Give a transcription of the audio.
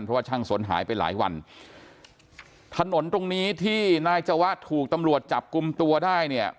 เพราะว่าช่างสนหายไปหลายวันถนนตรงนี้ที่นายจวะถูกตำรวจจับกลุ่มตัวได้เนี่ย